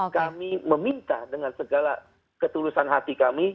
kami meminta dengan segala ketulusan hati kami